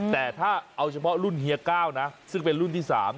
แต่ถ้าเอาเฉพาะรุ่นเฮีย๙นะซึ่งเป็นรุ่นที่๓